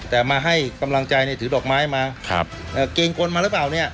แต่มาให้กำลังใจเนี่ยถือดอกไม้มาเกรงกลมาหรือเปล่าเนี่ย